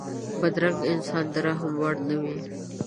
بدرنګه انسان د رحم وړ نه وي